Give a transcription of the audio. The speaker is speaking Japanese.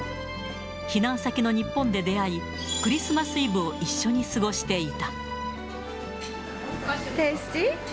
避難先の日本で出会い、クリスマスイブを一緒に過ごしていた。